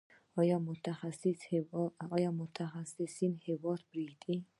آیا متخصصین هیواد پریږدي؟